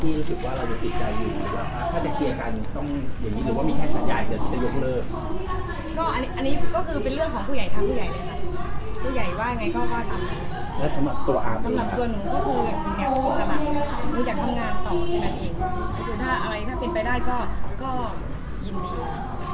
แล้วสำหรับตัวอาพดูนะครับเดี๋ยวว่าสำหรับตัวหนูก็ดูเนี่ยตกทำหนุ่มเพราะอยากทำงานต่อกันั่นเองเดี๋ยวถ้าอะไรก็เป็นไปได้ก็ยินดี